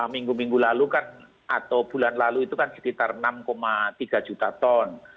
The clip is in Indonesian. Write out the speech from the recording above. minggu minggu lalu kan atau bulan lalu itu kan sekitar enam tiga juta ton